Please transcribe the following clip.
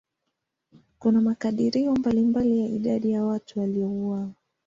Kuna makadirio mbalimbali ya idadi ya watu waliouawa.